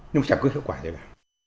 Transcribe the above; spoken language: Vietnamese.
nhưng mà chẳng có hiệu quả gì cả